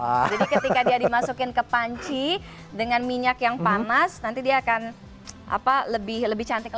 jadi ketika dia dimasukkan ke panci dengan minyak yang panas nanti dia akan lebih cantik lagi